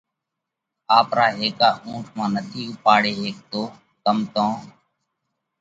آپرا هيڪا اُونٺ مانه نٿِي اُوپاڙي هيڪتو ڪم تو